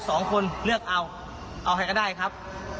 สองคนเลือกเอาเอาให้ก็ได้ครับ